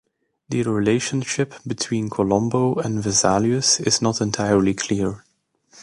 The relationship between Colombo and Vesalius is not entirely clear.